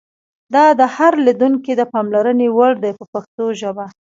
دا د هر لیدونکي د پاملرنې وړ دي په پښتو ژبه.